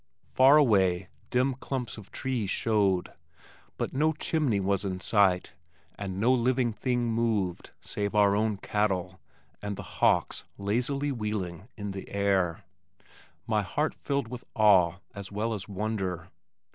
Far away dim clumps of trees showed, but no chimney was in sight, and no living thing moved save our own cattle and the hawks lazily wheeling in the air. My heart filled with awe as well as wonder.